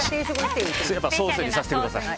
やっぱりソースにさせてください。